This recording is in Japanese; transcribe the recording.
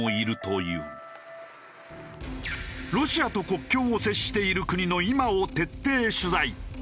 ロシアと国境を接している国の今を徹底取材。